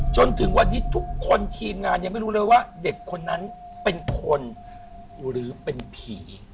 จนถึงวันนี้ทุกคนทีมงานยังไม่รู้เลยว่าเด็กคนนั้นเป็นคนหรือเป็นผี